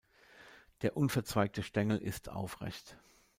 Der unverzweigte Stängel ist aufrecht.